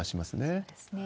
そうですね。